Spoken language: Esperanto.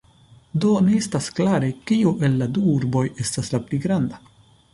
Do ne estas klare, kiu el la du urboj estas la pli granda.